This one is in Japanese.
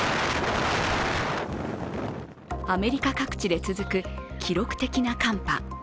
アメリカ各地で続く記録的な寒波。